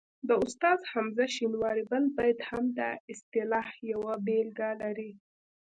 د استاد حمزه شینواري بل بیت هم د اصطلاح یوه بېلګه لري